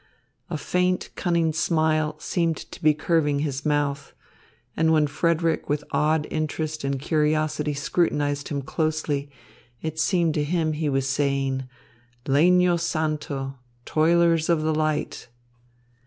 A faint, cunning smile seemed to be curving his mouth; and when Frederick with odd interest and curiosity scrutinised him closely, it seemed to him he was saying, "Legno santo! Toilers of the Light!"